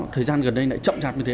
thời gian gần đây lại chậm chạp như thế